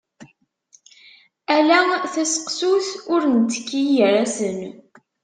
Ala taseqsut, ur nettkki gar-asen.